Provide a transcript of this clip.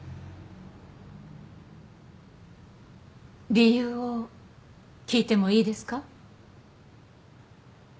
理由を聞いてもいいですか？